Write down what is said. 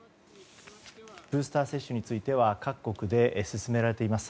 ブースター接種については各国で進められています。